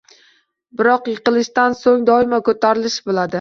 Biroq yiqilishdan so‘ng doimo ko‘tarilish bo‘ladi.